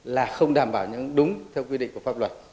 là không đảm bảo những đúng theo quy định của pháp luật